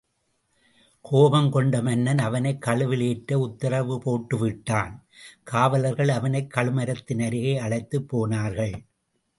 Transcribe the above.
கோபம் கொண்ட மன்னன் அவனைக் கழுவில் ஏற்ற உத்தரவு போட்டுவிட்டான் காவலர்கள் அவனை கழுமரத்தின் அருகே அழைத்துப் போனார்கள்.